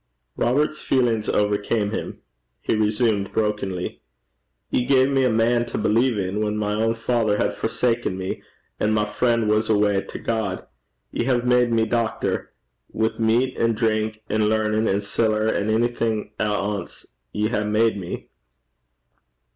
Robert's feelings overcame him. He resumed, brokenly, 'Ye gae me a man to believe in, whan my ain father had forsaken me, and my frien' was awa to God. Ye hae made me, doctor. Wi' meat an' drink an' learnin' an' siller, an' a'thing at ance, ye hae made me.'